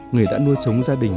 nghề đã nuôi sống gia đình